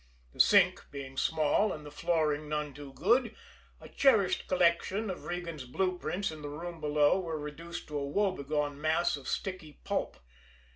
The sink being small and the flooring none too good, a cherished collection of Regan's blue prints in the room below were reduced to a woebegone mass of sticky pulp.